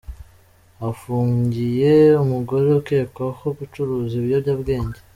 Hafungiye umugore ukekwaho gucuruza ibiyobyabwenge